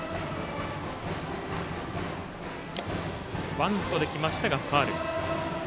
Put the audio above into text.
バントで来ましたがファウル。